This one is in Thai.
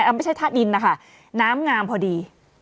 ไม่ใช่ท่าดินนะคะน้ำงามพอดี